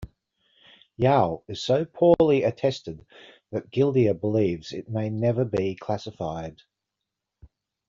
Yao is so poorly attested that Gildea believes it may never be classified.